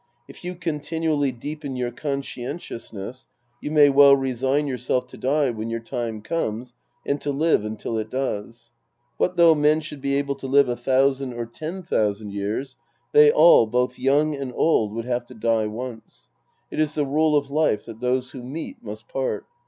If you continually deepen your conscientiousness, you may well resign yourself to die when your time comes and to live until it does. What though men should be able to live a thousand or ten thousand years, they all, both young and old, would have to die once. It is the rule of life that those who meet must part.